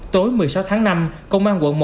tối một mươi sáu tháng năm công an quận một